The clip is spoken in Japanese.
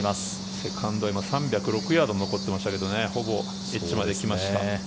セカンドは今３０６ヤード残っていましたけどほぼエッジまで来ました。